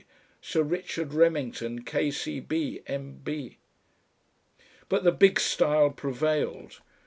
B., Sir Richard Remington, K. C. B., M. P. But the big style prevailed....